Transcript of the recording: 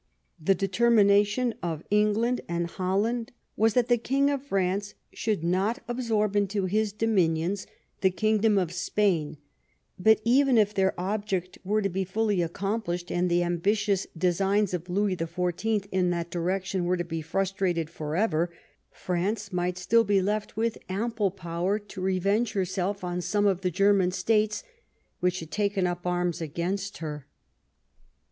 The determination of England and Holland was that the King of France should not absorb into his 84 ON THE ROUGH EDGE OF BATTLE dominions the kingdom of Spain; but even if their object were to be fully accomplished and the ambitious designs of Louis the Fourteenth in that direction were to be frustrated forever, France might still be left with ample power to revenge herself on some of the German states which had taken up arms against her.